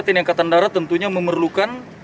tni angkatan darat tentunya memerlukan